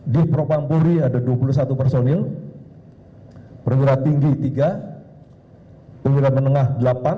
di pro pampolri ada dua puluh satu personil perwira tinggi tiga penyelidik menengah delapan